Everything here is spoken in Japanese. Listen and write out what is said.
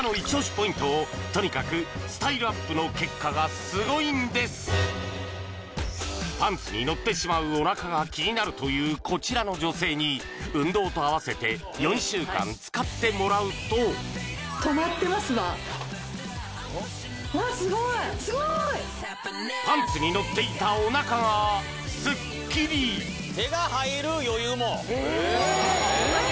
ポイントとにかくスタイルアップの結果がすごいんですパンツにのってしまうおなかが気になるというこちらの女性に運動とあわせて４週間使ってもらうとパンツにのっていたおなかがスッキリ手が入る余裕も・ええ・そんなに？